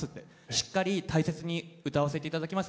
しっかり大切に歌わせて頂きます